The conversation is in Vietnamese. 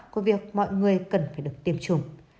của việc mọi người cần phải được tìm hiểu